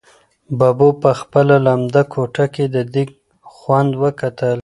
ببو په خپله لمده ګوته د دېګ خوند وکتل.